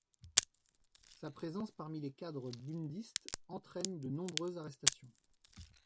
Sa présence parmi les cadres bundistes entraîne de nombreuses arrestations.